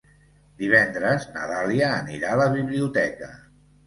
Divendres na Dàlia anirà a la biblioteca.